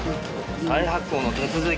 再発行の手続き